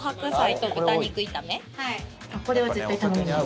これは絶対頼みます。